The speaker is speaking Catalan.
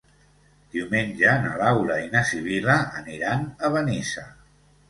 Diumenge na Laura i na Sibil·la aniran a Benissa.